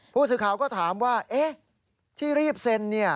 ผู้สื่อข่าวก็ถามว่าที่รีบเซ็น